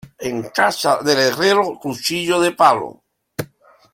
En casa del herrero, cuchillo de palo.